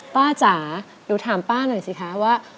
ป้าจ๋าอยู่ถามป้าหน่อยสิคะว่า